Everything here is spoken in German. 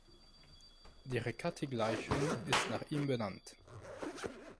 Die Riccati-Gleichung ist nach ihm benannt.